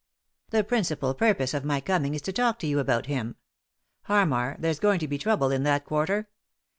"The principal purpose of my coming is to talk to you about him. Harmar, there's going to be trouble in that quarter.